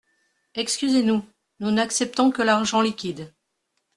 Excusez-nous, nous n’acceptons que l’argent liquide.